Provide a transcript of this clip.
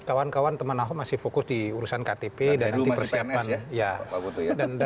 kawan kawan teman ahok masih fokus di urusan ktp dan nanti persiapan